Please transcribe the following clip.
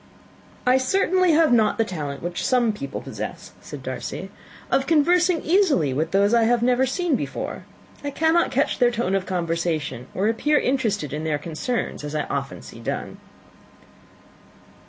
"I certainly have not the talent which some people possess," said Darcy, "of conversing easily with those I have never seen before. I cannot catch their tone of conversation, or appear interested in their concerns, as I often see done."